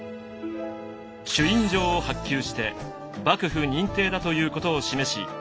朱印状を発給して幕府認定だということを示し